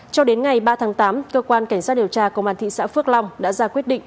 cho đến ngày ba tháng tám cơ quan cảnh sát điều tra công an thị xã phước long đã ra quyết định